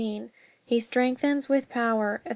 He strengthens with power. Eph.